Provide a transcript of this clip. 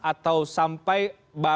atau bisa sampai menghentikan perang